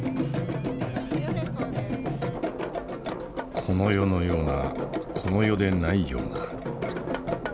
この世のようなこの世でないような。